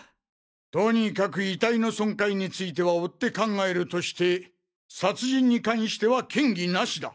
とにかく遺体の損壊については追って考えるとして殺人に関しては嫌疑ナシだ！